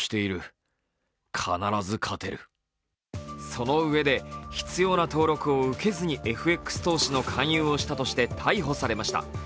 そのうえで、必要な登録を受けずにＦＸ投資の勧誘をしたとして逮捕されました。